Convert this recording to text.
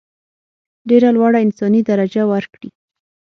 ډېره لوړه انساني درجه ورکړي.